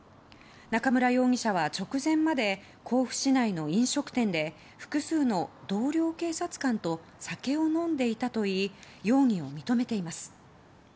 中村容疑者は直前まで甲府市内の飲食店で複数の同僚警察官と酒を飲んでいたといい容疑を認めています。